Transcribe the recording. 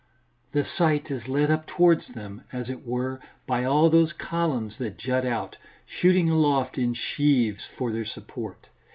The sight is led up towards them, as it were, by all those columns that jut out, shooting aloft in sheaves, for their support.